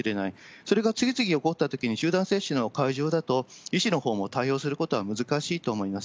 それが次々起こったときに、集団接種の会場だと、医師のほうも対応することは難しいと思います。